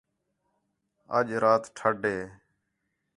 اَڄ رات ٹھڈ ہے